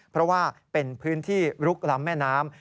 เพราะว่าเป็นพื้นที่ลุกล้ำแม่น้ำ